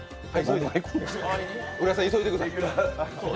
浦井さん、急いでください！